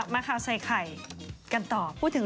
มาค่ะใส่ไข่กันต่อ